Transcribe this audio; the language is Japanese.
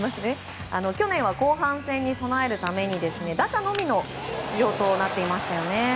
去年は後半戦に備えるために打者のみの出場となっていましたよね。